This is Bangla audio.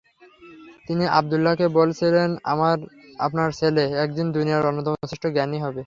তিনি আবদুল্লাহকে বলেছিলেন, "আপনার ছেলে একদিন দুনিয়ার অন্যতম শ্রেষ্ঠ জ্ঞানী হবে।